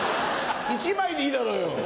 １枚でいいだろうよ！